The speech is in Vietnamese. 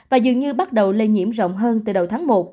và dường như bắt đầu lây nhiễm rộng hơn từ đầu tháng một